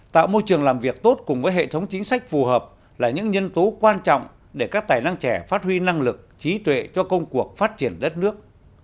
tạo môi trường làm việc tốt cùng với hệ thống chính sách phù hợp là những nhân tố quan trọng để các tài năng trẻ phát huy năng lực trí tuệ cho công cuộc phát triển đất nước